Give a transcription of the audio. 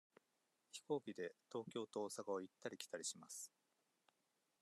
飛行機で東京と大阪を行ったり来たりします。